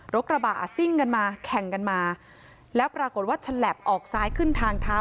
กระบะซิ่งกันมาแข่งกันมาแล้วปรากฏว่าฉลับออกซ้ายขึ้นทางเท้า